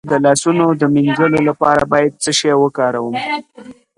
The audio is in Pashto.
د لاسونو د مینځلو لپاره باید څه شی وکاروم؟